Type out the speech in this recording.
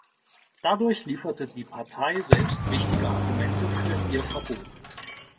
Dadurch lieferte die Partei selbst wichtige Argumente für ihr Verbot.